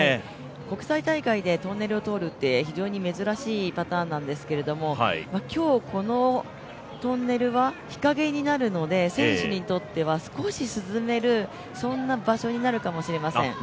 国際大会でトンネルを通るって非常に珍しいパターンなんですけれども、今日、このトンネルは日陰になるので選手にとっては少し涼める、そんな場所になるかもしれません。